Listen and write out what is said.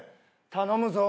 頼むぞ。